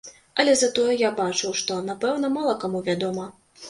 Але затое я бачыў, што, напэўна, мала каму вядома.